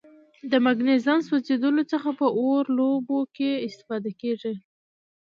د مګنیزیم سوځیدلو څخه په اور لوبو کې استفاده کیږي.